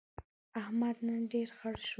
احمد نن ډېر خړ شو.